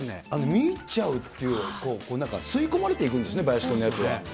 見入っちゃうっていう、なんか吸い込まれていくんですね、バヤシ君のやつは。